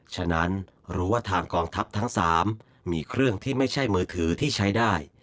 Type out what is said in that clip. ฉะนั้นรู้ว่าทางกองทัพทั้ง๓มีเครื่องที่ไม่ใช่มือถือที่ใช้ได้